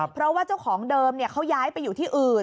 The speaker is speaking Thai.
เพราะว่าเจ้าของเดิมเขาย้ายไปอยู่ที่อื่น